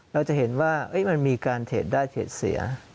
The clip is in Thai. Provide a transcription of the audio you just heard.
เราจะเห็นว่ามันมีการเทรดได้เทรดเสีย